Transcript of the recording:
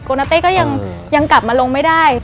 นาเต้ก็ยังกลับมาลงไม่ได้